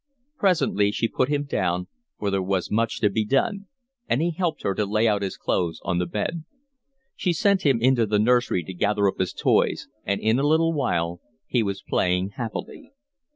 Presently she put him down, for there was much to be done, and he helped her to lay out his clothes on the bed. She sent him into the nursery to gather up his toys, and in a little while he was playing happily.